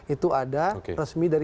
itu ada resmi dari